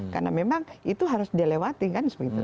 karena memang itu harus dilewati kan